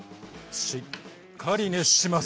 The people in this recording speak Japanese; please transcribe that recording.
しっかり熱します。